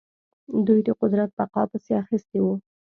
دوی د قدرت بقا پسې اخیستي وو.